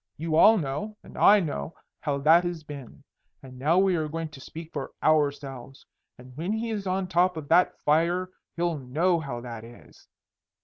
You all know and I know how that has been. And now we are going to speak for ourselves. And when he is on top of that fire he'll know how that is.